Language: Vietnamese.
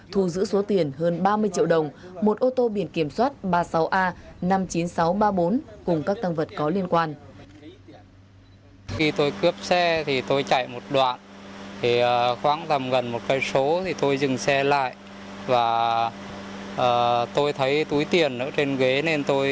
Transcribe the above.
thu giữ số tiền hơn ba mươi triệu đồng một ô tô biển kiểm soát ba mươi sáu a năm mươi chín nghìn sáu trăm ba mươi bốn cùng các tăng vật có liên quan